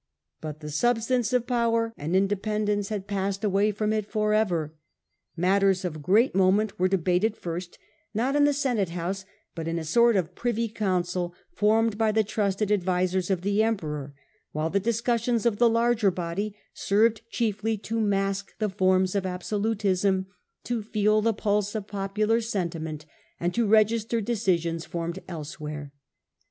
But the substance of power and independence had passed away from it for ever. Matters of great moment Priry were debated first, not in the Senate House, Council, but in a sort of Privy Council formed by the trusted advisers of the Emperor, while the discussions of the larger body served chiefly to mask the forms of abso lutism, to feel the pulse of popular sentiment, and to re gister decisions formed elsewhere.